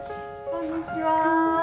こんにちは。